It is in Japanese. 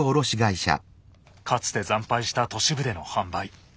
かつて惨敗した都市部での販売。